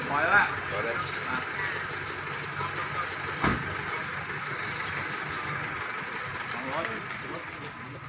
สวัสดีครับทุกคน